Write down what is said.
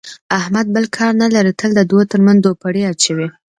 احمد بل کار نه لري، تل د دوو ترمنځ دوپړې اچوي.